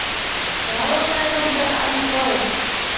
دعونا نبدأ على الفور.